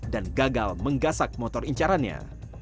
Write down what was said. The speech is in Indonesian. dan gagal menggasak motor incarannya